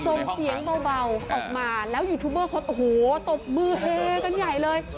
ส่งเสียงเบาออกมาแล้วยูทูบเบอร์เขาโอ้โหตบมือเฮกันใหญ่เลย